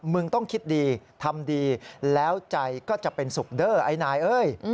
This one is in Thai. มึงต้องคิดดีทำดีแล้วใจก็จะเป็นสุขเดอร์ไอ้นายเอ้ย